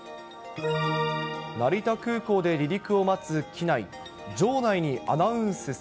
成田空港で離陸を待つ機内。